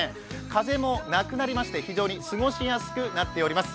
風もなくなりまして、非常に過ごしやすくなっております。